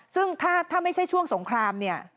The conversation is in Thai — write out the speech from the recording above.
ซึ่งถ้าไม่ใช่ช่วงสงครามเนี่ย